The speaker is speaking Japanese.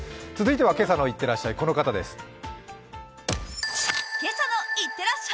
続いては今朝の「いってらっしゃい」、この方です。